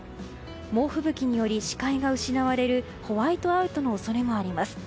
猛吹雪により視界が失われるホワイトアウトの恐れがあります。